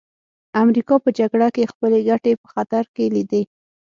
امریکا په جګړه کې خپلې ګټې په خطر کې لیدې